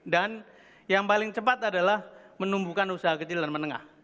dan yang paling cepat adalah menumbuhkan usaha kecil dan menengah